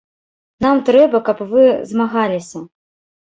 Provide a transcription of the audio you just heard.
Нам трэба, каб вы змагаліся.